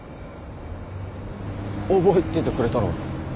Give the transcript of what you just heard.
覚えててくれたの？